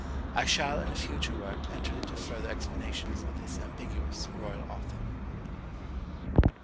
I shall in a future work enter into further explanations of this ambiguous royal author.